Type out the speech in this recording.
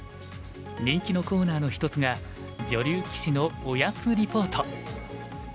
人気のコーナーの一つが女流棋士のおやつリポート。